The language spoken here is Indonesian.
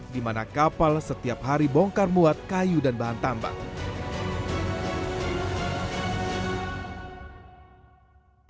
di mana kapal setiap hari bongkar muat kayu dan bahan tambang